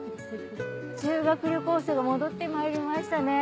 修学旅行生が戻ってまいりましたね。